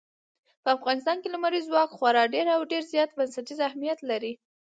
په افغانستان کې لمریز ځواک خورا ډېر او ډېر زیات بنسټیز اهمیت لري.